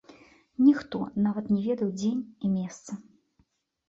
Ніхто нават не ведаў дзень і месца.